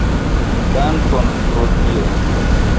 Dankon pro tio.